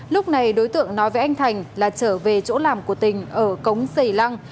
lúc này đối tượng nói với anh thành là trở về chỗ làm của tình ở cống sầy lăng